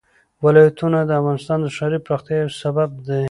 ولایتونه د افغانستان د ښاري پراختیا یو سبب دی.